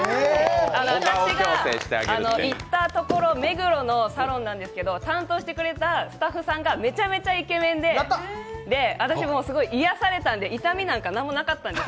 私が行ったところ、目黒のサロンなんですけど担当してくれたスタッフさんがめちゃくちゃイケメンで私も癒やされたんで、痛みなんて何もなかったんです。